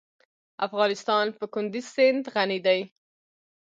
افغانستان په کندز سیند غني دی.